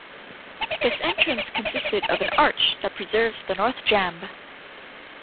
This entrance consisted of an arch that preserves the north jamb.